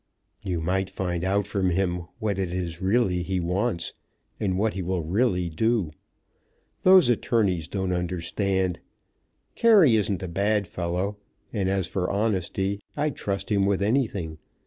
"You might find out from him what it is he really wants; what he will really do. Those attorneys don't understand. Carey isn't a bad fellow, and as for honesty, I'd trust him with anything.